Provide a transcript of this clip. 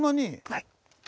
はい。